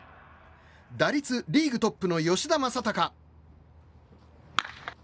打率、リーグトップの吉田正尚。